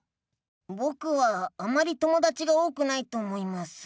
ぼくはあまり友だちが多くないと思います。